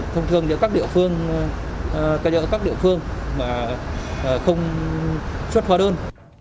thông thường giữa các địa phương mà không xuất hòa đơn